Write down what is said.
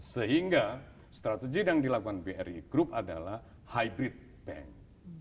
sehingga strategi yang dilakukan bri group adalah hybrid bank